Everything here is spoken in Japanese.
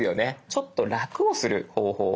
ちょっと楽をする方法を一緒に。